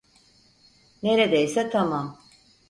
Neredeyse tamam.